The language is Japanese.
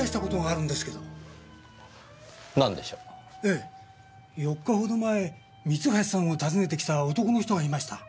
ええ４日ほど前三橋さんを訪ねてきた男の人がいました。